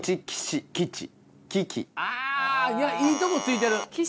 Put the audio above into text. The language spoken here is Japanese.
あいいとこ突いてる。